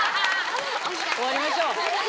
終わりましょう。